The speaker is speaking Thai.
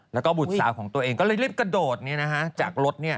แล้วก็บุตรสาวของตัวเองก็เลยรีบกระโดดจากรถ